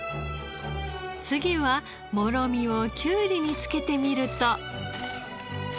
次はもろみをキュウリにつけてみると。